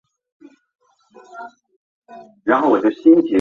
梁玉绳认为他可能是虢石父之子。